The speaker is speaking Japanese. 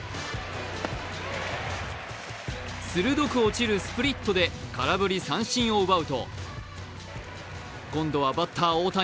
鋭く落ちるスプリットで空振り三振を奪うと今度はバッター・大谷。